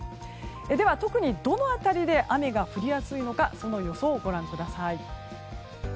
では、特にどの辺りで雨が降りやすいのかその予想をご覧ください。